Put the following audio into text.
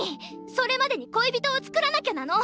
それまでに恋人を作らなきゃなの！